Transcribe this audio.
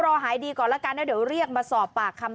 เดี๋ยวรอหายดีก่อนละกันเดี๋ยวเรียกมาสอบแบบ